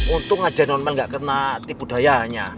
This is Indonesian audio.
untung aja non male gak kena tipu dayanya